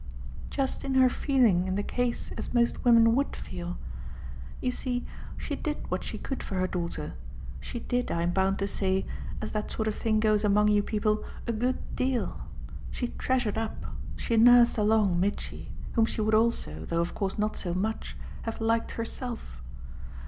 "Just in her feeling in the case as most women would feel. You see she did what she could for her daughter. She did, I'm bound to say, as that sort of thing goes among you people, a good deal. She treasured up, she nursed along Mitchy, whom she would also, though of course not so much, have liked herself.